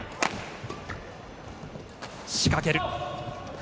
仕掛ける。